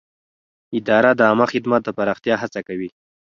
اداره د عامه خدمت د پراختیا هڅه کوي.